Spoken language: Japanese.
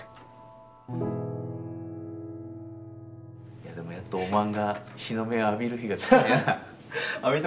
いやでもやっとおまんが日の目を浴びる日が来たんや。